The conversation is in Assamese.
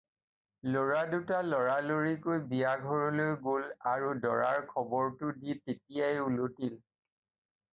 ল'ৰা দুটা ল'ৰালৰিকৈ বিয়াঘৰলৈ গ'ল আৰু দৰাৰ খবৰটো দি তেতিয়াই উলটিল।